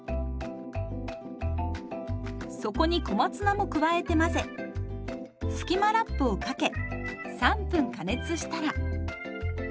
そこに小松菜も加えて混ぜスキマラップをかけ３分加熱したら。